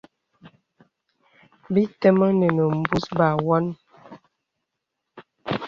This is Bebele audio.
Bī tə̄mēŋnì nə̀ būs banwan.